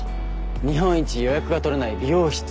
日本一予約が取れない美容室。